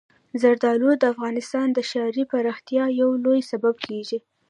زردالو د افغانستان د ښاري پراختیا یو لوی سبب کېږي.